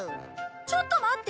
ちょっと待って！